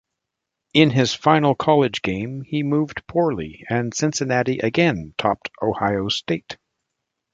In his final college game, he moved poorly and Cincinnati again topped Ohio State.